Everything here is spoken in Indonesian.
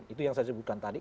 itu yang saya sebutkan tadi